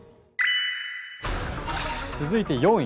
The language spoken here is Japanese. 続いて４位。